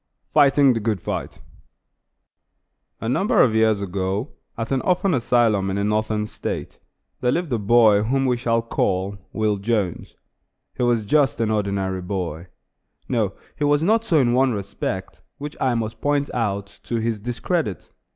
FIGHTING THE GOOD FIGHT A number of years ago, at an orphan asylum in a Northern State, there lived a boy whom we shall call Will Jones. He was just an ordinary boy. No, he was not so in one respect, which I must point out, to his discredit.